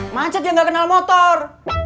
macet yang gak kenal motor